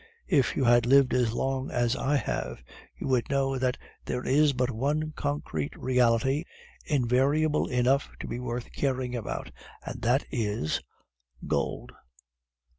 If you had lived as long as I have, you would know that there is but one concrete reality invariable enough to be worth caring about, and that is GOLD.